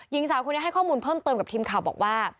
หญิงสาวคนนี้ให้ข้อมูลเพิ่มเติมกับทีมข่าวบอกว่า